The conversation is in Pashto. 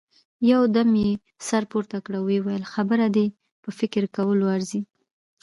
يودم يې سر پورته کړ، ويې ويل: خبره دې په فکر کولو ارزي.